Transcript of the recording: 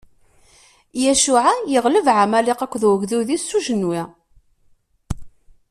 Yacuɛa yeɣleb Ɛamaliq akked ugdud-is s ujenwi.